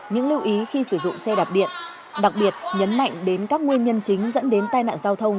những lưu ý khi sử dụng xe đạp điện đặc biệt nhấn mạnh đến các nguyên nhân chính dẫn đến tai nạn giao thông